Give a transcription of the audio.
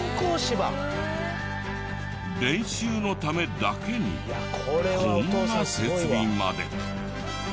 練習のためだけにこんな設備まで。